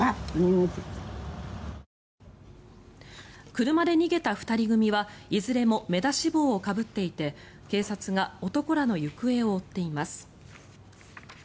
車で逃げた２人組はいずれも目出し帽をかぶっていて警察が男らの行方を追っています。